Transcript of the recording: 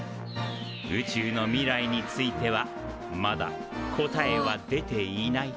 宇宙の未来についてはまだ答えは出ていない。